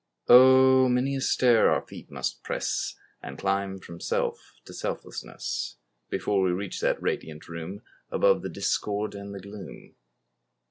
Oh! many a stair our feet must press, And climb from self to selflessness, Before we reach that radiant room Above the discord and the gloom.